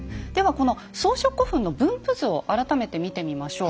この装飾古墳の分布図を改めて見てみましょう。